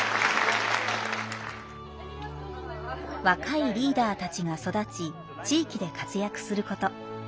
若いリーダーたちが育ち地域で活躍する事。